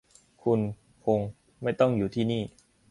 คุณต้องไม่คงอยู่ที่นี่